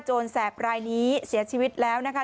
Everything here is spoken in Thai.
แสบรายนี้เสียชีวิตแล้วนะคะ